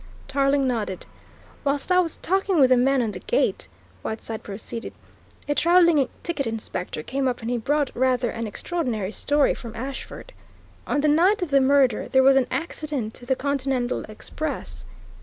Tarling nodded. "Whilst I was talking with the man on the gate," Whiteside proceeded, "a travelling ticket inspector came up and he brought rather an extraordinary story from Ashford. On the night of the murder there was an accident to the Continental Express."